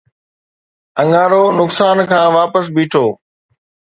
اڱارو نقصان کان واپس بيٺو